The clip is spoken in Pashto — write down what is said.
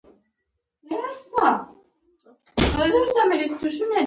پښتو د افغانانو ژبه ده.